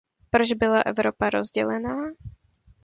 Proč byla Evropa rozdělená?